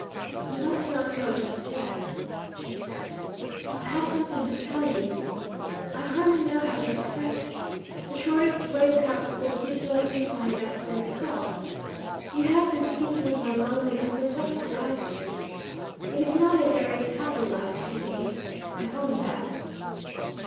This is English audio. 'You must not go just yet,' she said: 'I have something to tell you. I hardly know how to express it. The shortest way perhaps will be to let you find it out for yourself. You have been speaking of my lonely unprotected life here. It is not a very happy life, Henry I own that.'